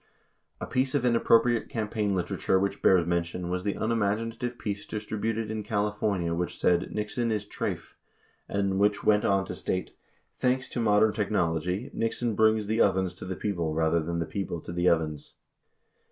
37 A piece of inappropriate campaign literature which bears mention was the unimaginative piece distributed in California which said "Nixon is treyf," and which went on to state: "Thanks to modern technology Nixon brings the ovens to the people rather than the people to the ovens."